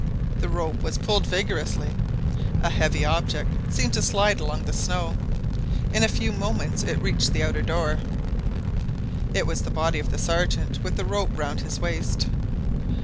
The rope was pulled vigorously. A heavy object seemed to slide along the snow. In a few moments it reached the outer door. It was the body of the Sergeant, with the rope round his waist.